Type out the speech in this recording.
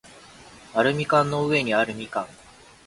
アルミ缶の上にある蜜柑